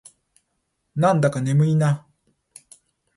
なんだか眠いな。